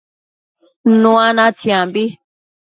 Nua natsiambi